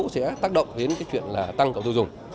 sẽ tác động đến tăng cầu tiêu dùng